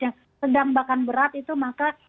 yang sedang bahkan berat itu maka